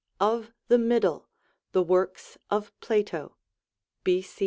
Of the Middle, the works of Plato (B. C.